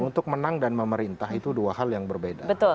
untuk menang dan memerintah itu dua hal yang berbeda